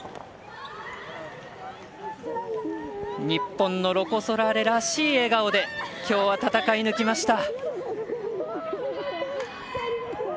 日本のロコ・ソラーレらしい笑顔できょうは戦い抜きました。